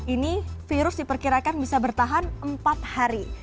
ini virus diperkirakan bisa bertahan empat hari